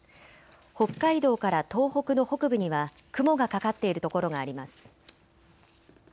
北海道から東北の北部には雲がかかっている所があります。